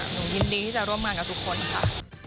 ยินดีที่จะร่วมงานกับทุกคนค่ะ